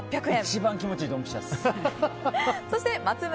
一番いいドンピシャです。